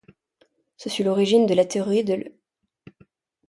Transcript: Ce fut l'origine de la théorie de l'.